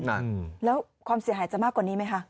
นั่นแล้วความเสียหายจะมากกว่านี้ไหมคะ